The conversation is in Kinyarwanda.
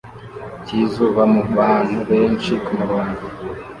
cyizuba mubantu benshi kumurongo